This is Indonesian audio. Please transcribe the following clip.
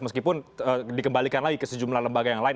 meskipun dikembalikan lagi ke sejumlah lembaga yang lain